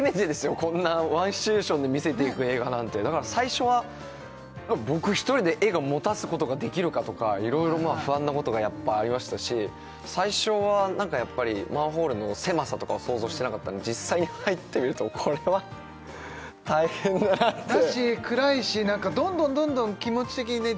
こんなワンシチュエーションで見せていく映画なんてだから最初は僕１人で映画もたすことができるかとか色々不安なことがやっぱありましたし最初はマンホールの狭さとかを想像してなかったんで実際に入ってみるとこれは大変だなってだし暗いしなんかどんどんどんどん気持ち的にね